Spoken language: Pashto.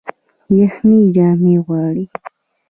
یخني جامې غواړي